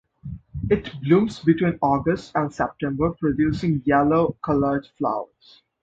It blooms between August and September producing yellow coloured flowers.